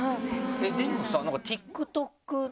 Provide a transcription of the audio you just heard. でもさＴｉｋＴｏｋ大賞。